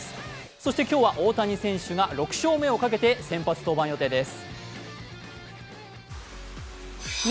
そして今日は大谷選手が６勝目をかけて先発登板予定です。